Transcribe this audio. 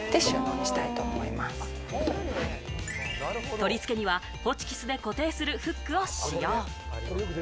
取り付けには、ホチキスで固定するフックを使用。